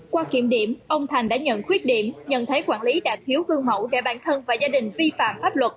qua kiểm điểm ông thành đã nhận khuyết điểm nhận thấy quản lý đã thiếu gương mẫu để bản thân và gia đình vi phạm pháp luật